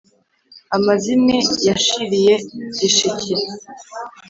amazimwe yashiriye gishike.